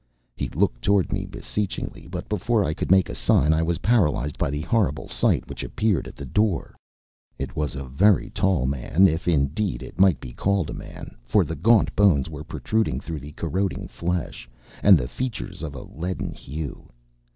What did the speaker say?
He looked toward me beseechingly, but before I could make a sign I was paralyzed by the horrible sight which appeared at the door. It was a very tall man, if, indeed, it might be called a man, for the gaunt bones were protruding through the corroding flesh, and the features of a leaden hue.